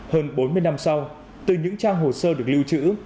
hơn bốn mươi năm sau từ những trang hồ sơ được lưu trữ